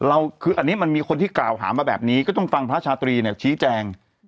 คืออันนี้มันมีคนที่กล่าวหามาแบบนี้ก็ต้องฟังพระชาตรีเนี่ยชี้แจง